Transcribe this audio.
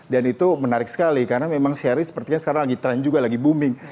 dan itu menarik sekali karena memang series sepertinya sekarang lagi trend juga lagi booming